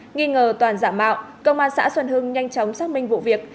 nghi ngờ toàn giả mạo công an xã xuân hưng nhanh chóng xác minh vụ việc